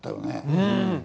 うん！